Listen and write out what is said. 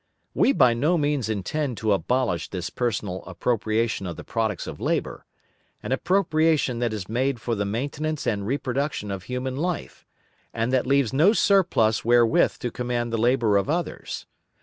We by no means intend to abolish this personal appropriation of the products of labour, an appropriation that is made for the maintenance and reproduction of human life, and that leaves no surplus wherewith to command the labour of others.